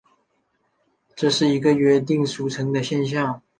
这是一个约定俗成的现像。